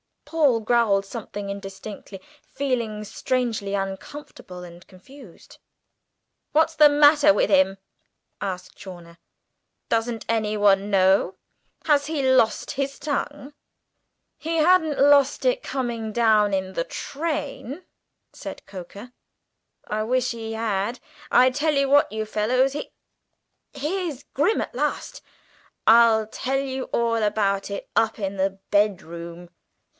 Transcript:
Paul growled something indistinctly, feeling strangely uncomfortable and confused. "What's the matter with him?" asked Chawner. "Does anyone know? Has he lost his tongue?" "He hadn't lost it coming down in the train," said Coker: "I wish he had. I tell you what, you fellows He here's Grim at last! I'll tell you all about it up in the bedroom."